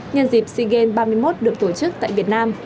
nhân dịp sea games ba mươi một được tổ chức tại việt nam